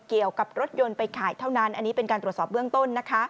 เกี่ยวกับรถยนต์ไปขายเท่านั้นอันนี้เป็นการตรวจสอบเบื้องต้นนะคะ